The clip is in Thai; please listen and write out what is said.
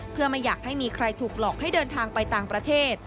เพื่อไม่อยากให้มีใครถูกหลอกให้เดินทางไปต่างประเทศ